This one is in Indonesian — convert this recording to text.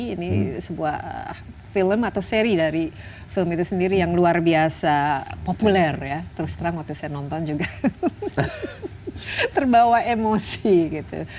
ini sebuah film atau seri dari film itu sendiri yang luar biasa populer ya terus terang waktu saya nonton juga terbawa emosi gitu